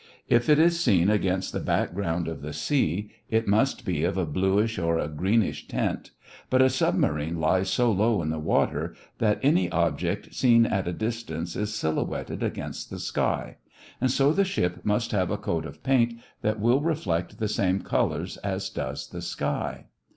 If it is seen against the background of the sea, it must be of a bluish or a greenish tint, but a submarine lies so low in the water that any object seen at a distance is silhouetted against the sky, and so the ship must have a coat of paint that will reflect the same colors as does the sky.